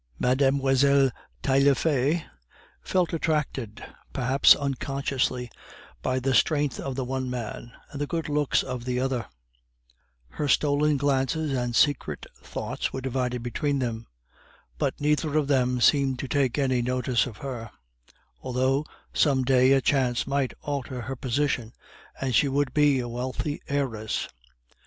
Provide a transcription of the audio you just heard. Mlle. Taillefer felt attracted, perhaps unconsciously, by the strength of the one man, and the good looks of the other; her stolen glances and secret thoughts were divided between them; but neither of them seemed to take any notice of her, although some day a chance might alter her position, and she would be a wealthy heiress.